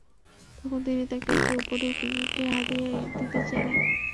তখন তিনি তাঁকে একটি উপঢৌকন, একটি হাদীয়া দিতে চাইলেন।